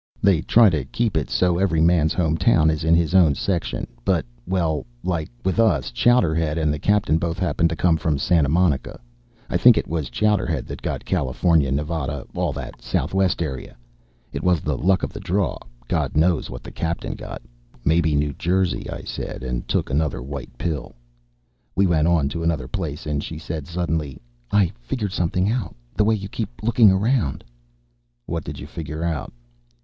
They try to keep it so every man's home town is in his own section, but well, like with us, Chowderhead and the captain both happened to come from Santa Monica. I think it was Chowderhead that got California, Nevada, all that Southwest area. It was the luck of the draw. God knows what the captain got. "Maybe New Jersey," I said, and took another white pill. We went on to another place and she said suddenly, "I figured something out. The way you keep looking around." "What did you figure out?"